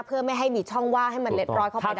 เพื่อไม่ให้มีช่องว่างให้มันเล็ดร้อยเข้าไปได้